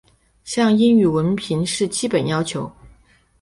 像英语文凭是基本要求。